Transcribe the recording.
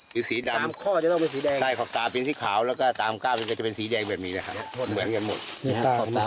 คือสีดำทางข้อจะต้องเป็นสีแดง